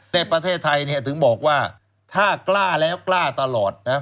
ในประเทศไทยเนี่ยถึงบอกว่าถ้ากล้าแล้วกล้าตลอดนะ